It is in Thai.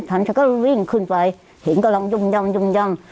ฉันก็วิ่งขึ้นไปเห็นกำลังยุ่มย่ำยุ่มย่ำ